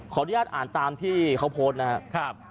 ขออนุญาตอ่านตามที่เขาโพสต์นะครับ